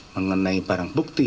mengenai barang bukti